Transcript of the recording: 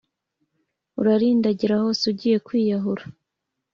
Urarindagira hose ugiye kwiyahura